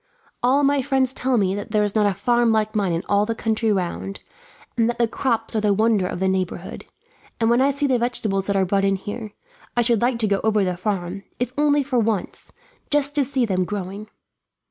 All my friends tell me that there is not a farm like mine in all the country round, and that the crops are the wonder of the neighbourhood; and when I see the vegetables that are brought in here, I should like to go over the farm, if only for once, just to see them growing."